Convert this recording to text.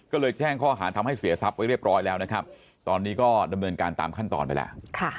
ก็เลยแจ้งข้อหาทำให้เสียทรัพย์ไว้เรียบร้อยแล้วนะครับตอนนี้ก็ดำเนินการตามขั้นตอนไปแล้ว